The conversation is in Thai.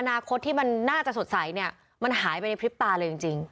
นาคตที่มันน่าจะสดใสเนี่ยมันหายไปในพริบตาเลยจริง